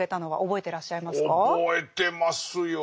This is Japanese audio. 覚えてますよ。